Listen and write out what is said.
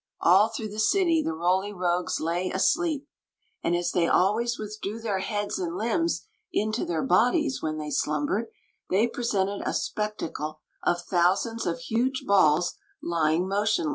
All through the city the Roly Rogues lay asleep; Queen Zixi of Ix; or, the and, as they always withdrew their heads and limbs into their bodies when they slumbered, they presented a spectacle of thousands of huge balls lying motionless.